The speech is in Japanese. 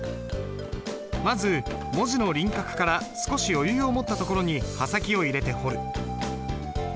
まず文字の輪郭から少し余裕を持ったところに刃先を入れて彫る。